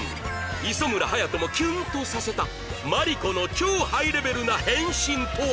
磯村勇斗もキュンとさせたマリコの超ハイレベルな返信とは？